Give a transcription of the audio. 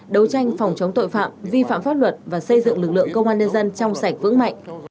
đấu tranh phòng chống tội phạm vi phạm pháp luật và xây dựng lực lượng công an nhân dân trong sạch vững mạnh